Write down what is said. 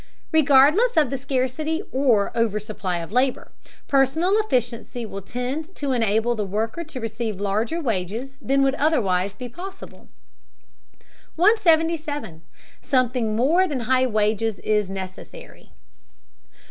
Regardless of the scarcity or oversupply of labor, personal efficiency will tend to enable the worker to receive larger wages than would otherwise be possible. 177. SOMETHING MORE THAN HIGH WAGES IS NECESSARY.